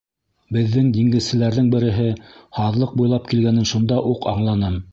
Беҙҙең диңгеҙселәрҙең береһе һаҙлыҡ буйлап килгәнен шунда уҡ аңланым.